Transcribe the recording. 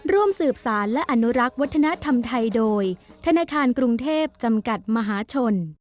ร่วมสืบสารและอนุรักษ์วัฒนธรรมไทยโดยธนาคารกรุงเทพจำกัดมหาชน